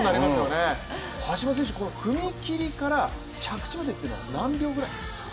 橋本選手、踏み切りから着地までというのは何秒くらいなんですか？